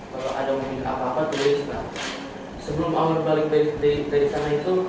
kalau ada meminta apa apa tulis sebelum awal balik dari sana itu